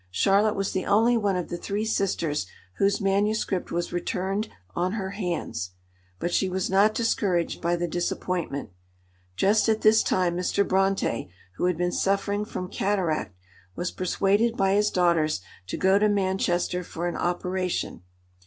Charlotte was the only one of the three sisters whose manuscript was returned on her hands. But she was not discouraged by the disappointment. Just at this time Mr. Brontë, who had been suffering from cataract, was persuaded by his daughters to go to Manchester for an operation.